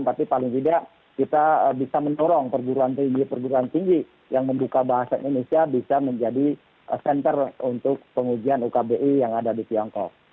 tapi paling tidak kita bisa mendorong perguruan tinggi perguruan tinggi yang membuka bahasa indonesia bisa menjadi center untuk pengujian ukbi yang ada di tiongkok